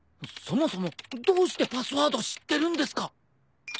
そもそもどうしてパスワード知ってるんですか？